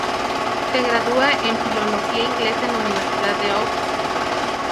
Se gradúa en filología inglesa en la Universidad de Oxford.